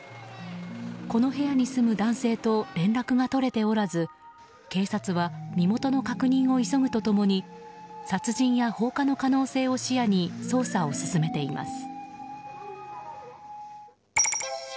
この部屋に住む男性と連絡が取れておらず警察は身元の確認を急ぐと共に殺人や放火の可能性を視野に捜査を進めています。